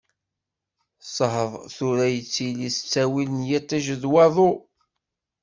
Ssehḍ tura yettili s ttawil n yiṭij d waḍu.